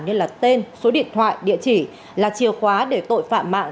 như là tên số điện thoại địa chỉ là chìa khóa để tội phạm mạng